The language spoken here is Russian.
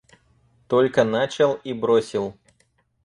Только начал и бросил.